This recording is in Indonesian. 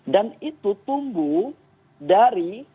dan itu tumbuh dari